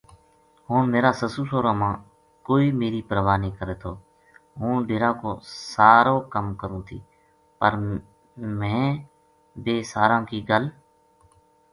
ہن میر ا سسُو سوہراں ما کوئی میری پرواہ نیہہ کرے تھو ہوں ڈیرا کو ساری کَم کروں تھی پر مھیں بے ساراں کی گل